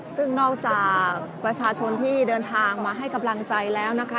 ซึ่งนอกจากประชาชนที่เดินทางมาให้กำลังใจแล้วนะคะ